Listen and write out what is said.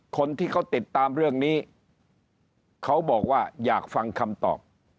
คนที่เขาติดตามเรื่องนี้เขาบอกว่าอยากฟังคำตอบ